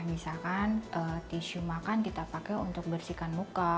misalkan tisu makan kita pakai untuk bersihkan muka